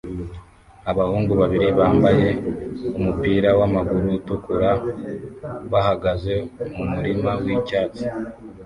Abahungu babiri bambaye umupira wamaguru utukura bahagaze mumurima wicyatsi